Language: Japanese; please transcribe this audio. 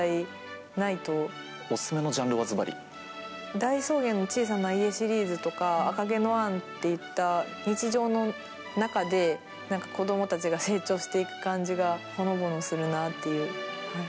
「大草原の小さな家」シリーズとか「赤毛のアン」っていった日常の中で子供たちが成長していく感じがほのぼのするなという。